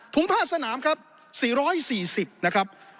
ถุงผ้าสนามครับ๔๔๐บาท